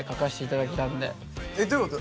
えっどういうこと？